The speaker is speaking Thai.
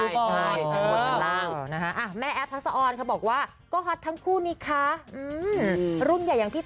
ใช่หมายถึงบอร์ดกันล่าง